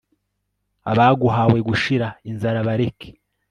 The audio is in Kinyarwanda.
abaguhawe gushira inzara, bareke